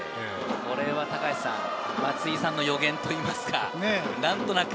これは松井さんの予言といいますか、何となく。